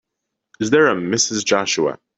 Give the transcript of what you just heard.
Is there a Mrs. Joshua?